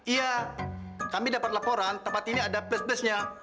iya kami dapat laporan tempat ini ada plus plusnya